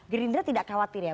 gerindra tidak khawatir ya